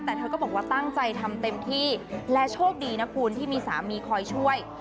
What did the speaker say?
แต่เธอก็บอกว่าตั้งใจทำเต็มที่และโชคดีนะคุณที่มีสามีคอยช่วย